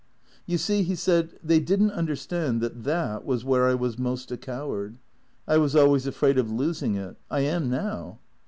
"You see," he said, "they didn't understand that that was where I was most a coward. I was always afraid of losing it. I am now."